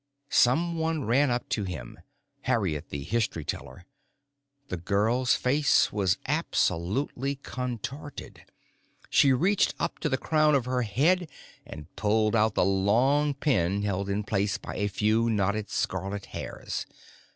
Someone ran up to him. Harriet the History Teller. The girl's face was absolutely contorted. She reached up to the crown of her head and pulled out the long pin held in place by a few knotted scarlet hairs.